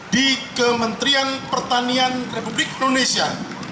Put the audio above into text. di kementerian pertanian republik indonesia